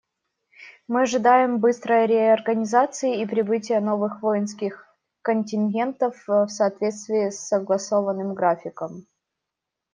Мы ожидаем быстрой реорганизации и прибытия новых воинских контингентов в соответствии с согласованным графиком.